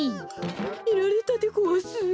みられたでごわす。